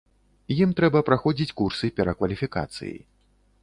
Ім трэба праходзіць курсы перакваліфікацыі.